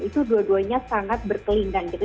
itu dua duanya sangat berkelindang gitu